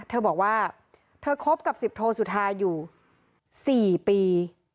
เธอบอกว่าเธอคบกับสิบโทสุธาอยู่๔ปี